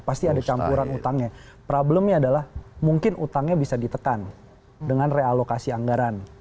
pasti ada campuran utangnya problemnya adalah mungkin utangnya bisa ditekan dengan realokasi anggaran